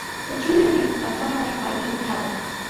The two units are joined by a five-meter cable.